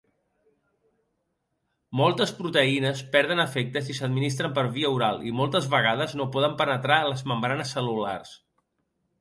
Moltes proteïnes perden efecte si s'administren per via oral i moltes vegades no poden penetrar les membranes cel·lulars.